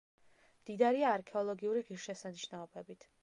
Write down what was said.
მდიდარია არქეოლოგიური ღირსშესანიშნაობებით.